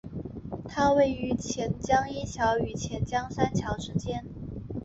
它位于钱江一桥与钱江三桥之间。